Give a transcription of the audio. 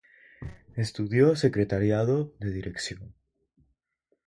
Estudió Secretariado de Dirección.